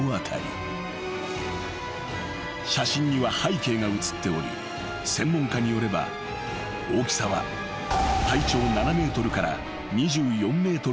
［写真には背景が写っており専門家によれば大きさは体長７ｍから２４ｍと推定されるという］